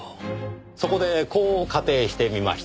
そこでこう仮定してみました。